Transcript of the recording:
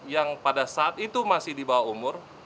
yang pada saat itu masih dibawa umur